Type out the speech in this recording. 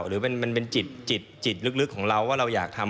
หรือมันเป็นจิตลึกของเราว่าเราอยากทำ